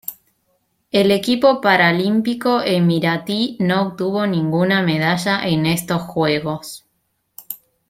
El equipo paralímpico emiratí no obtuvo ninguna medalla en estos Juegos.